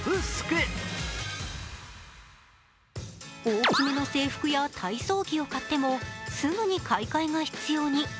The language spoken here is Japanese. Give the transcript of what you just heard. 大きめの制服や体操着を買ってもすぐに買い換えが必要に。